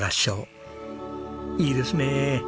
いいですねえ。